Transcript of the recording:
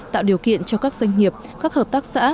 tạo điều kiện cho các doanh nghiệp các hợp tác xã